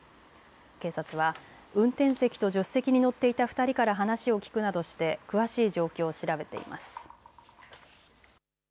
警察は運転席と助手席に乗っていた２人から話を聞くなどして詳しい状況を調べています。